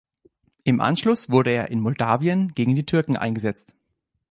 Im Anschluss wurde er in Moldawien gegen die Türken eingesetzt.